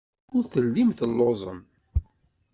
Ur tellim telluẓem.